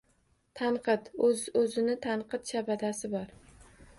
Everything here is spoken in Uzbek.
Tanqid, o‘z-o‘zini tanqid shabadasibor.